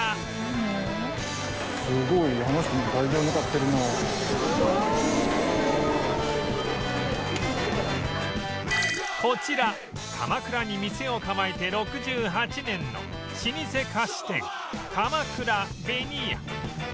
そのこちら鎌倉に店を構えて６８年の老舗菓子店鎌倉紅谷